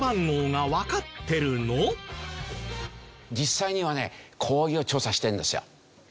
実際にはねこういう調査してるんですよ。